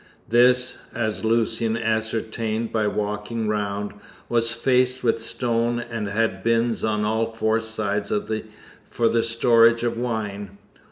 This, as Lucian ascertained by walking round, was faced with stone and had bins on all four sides for the storage of wine.